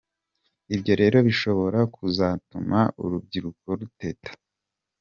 Ibyo rero bishobora kuzatuma urubyiruko ruteta.